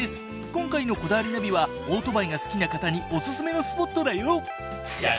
今回の『こだわりナビ』はオートバイが好きな方におすすめのスポットだよ。